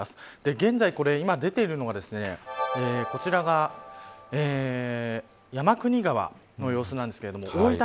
現在、今、出ているのがこちらが、山国川の様子なんですけれども。